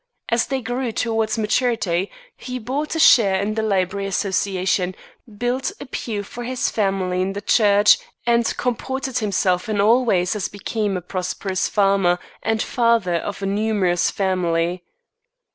As they grew towards maturity, he bought a share in the Library Association, built a pew for his family in the church, and comported himself in all ways as became a prosperous farmer and father of a numerous family.